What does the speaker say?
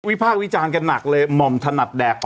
ภาควิจารณ์กันหนักเลยหม่อมถนัดแดก